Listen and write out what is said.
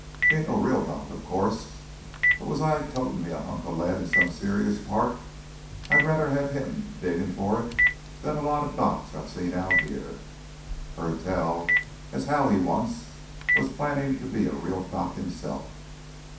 He ain't no real doc, of course, but was I totin' me a hunka lead in some serious part, I'd rather have him diggin' for it than a lotta docs I've seen out here. Heard tell as how once he was plannin' to be a real doc hisself.